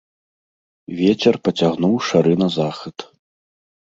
Вецер пацягнуў шары на захад.